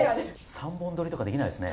３本撮りとかできないですね。